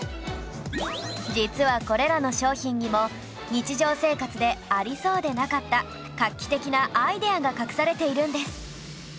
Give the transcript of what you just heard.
実はこれらの商品にも日常生活でありそうでなかった画期的なアイデアが隠されているんです